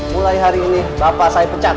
mulai hari ini bapak saya pecat